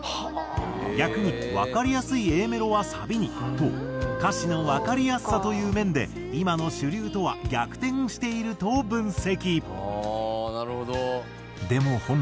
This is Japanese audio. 逆にわかりやすいＡメロはサビにと歌詞のわかりやすさという面で今の主流とは逆転していると分析。